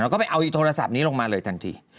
แล้วก็ไปเอาโทรศัพท์นี้ลงมาเลยทันที